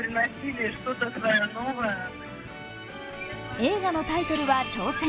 映画のタイトルは「挑戦」。